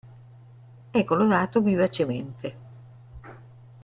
È colorato vivacemente.